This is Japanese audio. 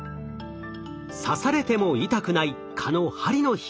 刺されても痛くない蚊の針の秘密。